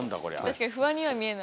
確かに不安には見えない。